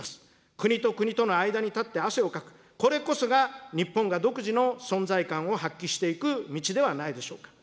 国と国との間に立って汗をかく、これこそが、日本が独自の存在感を発揮していく道ではないでしょうか。